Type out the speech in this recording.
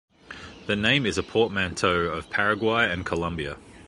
The name is a portmanteau of Paraguay and Colombia.